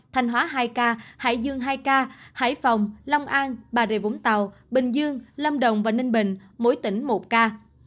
thanh hóa hai ca hải dương hai ca hải phòng long an bà rịa vũng tàu bình dương lâm đồng và ninh bình mỗi tỉnh một ca